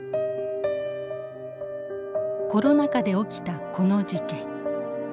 コロナ禍で起きたこの事件。